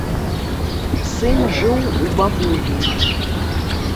Сын жыў у бабулі.